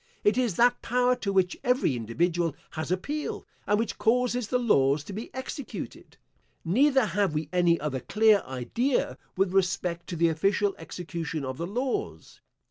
It is that power to which every individual has appeal, and which causes the laws to be executed; neither have we any other clear idea with respect to the official execution of the laws.